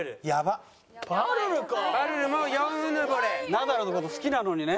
ナダルの事好きなのにね。